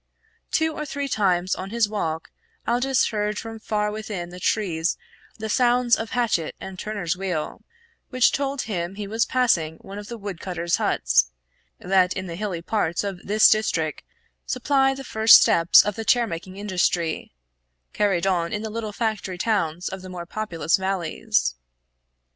Two or three times on his walk Aldous heard from far within the trees the sounds of hatchet and turner's wheel, which told him he was passing one of the wood cutter's huts that in the hilly parts of this district supply the first simple steps of the chairmaking industry, carried on in the little factory towns of the more populous valleys.